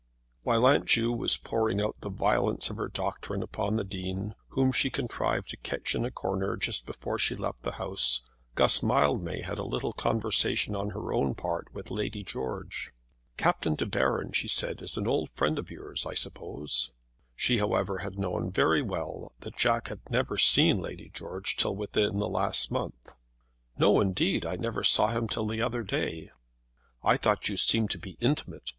While Aunt Ju was pouring out the violence of her doctrine upon the Dean, whom she contrived to catch in a corner just before she left the house, Guss Mildmay had a little conversation on her own part with Lady George. "Captain De Baron," she said, "is an old friend of yours, I suppose." She, however, had known very well that Jack had never seen Lady George till within the last month. "No, indeed; I never saw him till the other day." "I thought you seemed to be intimate.